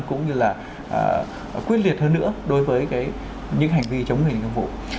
cũng như là quyết liệt hơn nữa đối với những hành vi chống người thi hành công vụ